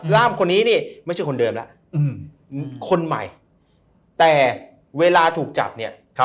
คนนี้นี่ไม่ใช่คนเดิมแล้วคนใหม่แต่เวลาถูกจับเนี่ย